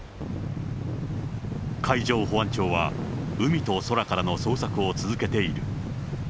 海上保安庁は海と空からの捜索を続けている。